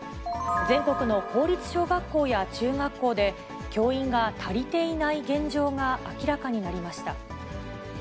全国の公立小学校や中学校で、教員が足りていない現状が明らかになりました。